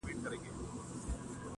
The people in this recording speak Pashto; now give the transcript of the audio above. په مسجدونو کي چي لس کلونه ونه موندې,